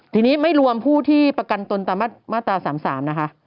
ทีนี้ไม่รวมผู้ที่ประกันตนตามมาตรา๓๓นะคะ